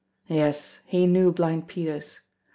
Yes, he knew Blind Peter's